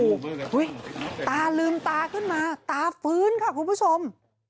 โอ้โหตาลืมตาขึ้นมาตาฟื้นค่ะคุณผู้ชม